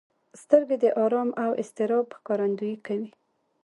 سترګې د ارام او اضطراب ښکارندويي کوي